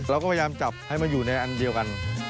เราก็พยายามจับให้มาอยู่ในอันเดียวกัน